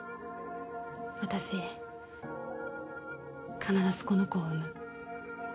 私必ずこの子を産む。